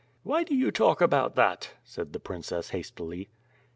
227 ^^hy do you talk about that?" said the princess hastily.